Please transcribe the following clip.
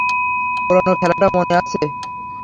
পুরানো খেলাটা মনে আছে?